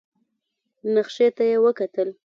نخشې ته يې وکتل.